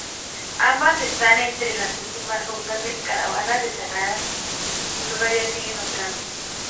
Ambas están entre las últimas rutas de caravanas del Sahara que todavía siguen operando.